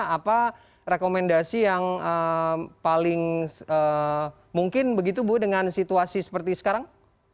apa rekomendasi yang paling mungkin begitu bu dengan situasi seperti sekarang